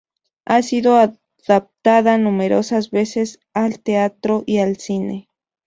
Ha sido adaptada numerosas veces al teatro y al cine.